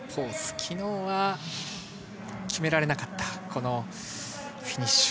昨日は決められなかったフィニッシュ。